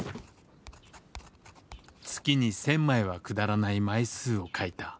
月に１，０００枚は下らない枚数を書いた。